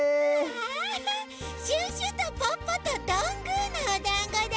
あシュッシュとポッポとどんぐーのおだんごだ！